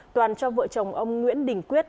toàn cho vợ chồng ông nguyễn đình quyết